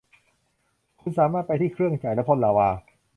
คุณสามารถไปที่เครื่องจ่ายและพ่นลาวา